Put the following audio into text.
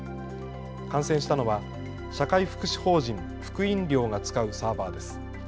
感染したのは社会福祉法人福音寮が使うサーバーです。